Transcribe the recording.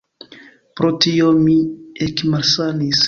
Pro tio mi ekmalsanis.